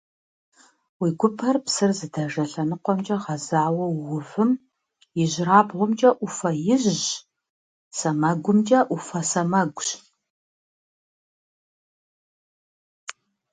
Уи гупэр псыр здэжэ лъэныкъуэмкӀэ гъэзауэ уувым ижьырабгъумкӀэ Ӏуфэ ижъщ, сэмэгумкӀэ Ӏуфэ сэмэгущ.